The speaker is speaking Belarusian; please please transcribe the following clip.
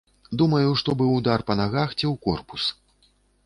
Думаю, што быў удар па нагах ці ў корпус.